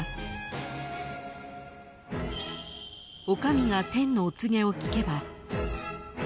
［女将が天のお告げを聞けば］